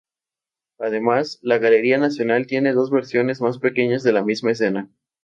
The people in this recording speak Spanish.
Además la Galería nacional tiene dos versiones más pequeñas de la misma escena.